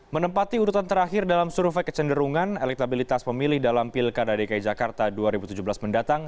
menempati urutan terakhir dalam survei kecenderungan elektabilitas pemilih dalam pilkada dki jakarta dua ribu tujuh belas mendatang